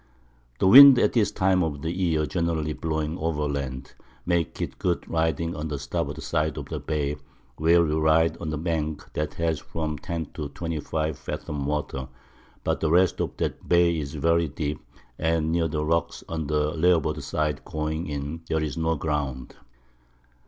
The Wind at this Time of the Year generally blowing over Land, makes it good Riding on the Starboard Side of the Bay, where you ride on a Bank that has from 10 to 25 Fathom Water; but the rest of that Bay is very deep, and near the Rocks on the Larboard side going in there's no Ground.